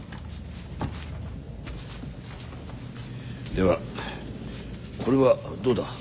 ではこれはどうだ？